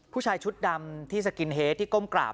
ผู้ชายชุดดำที่สกินเฮดที่ก้มกราบ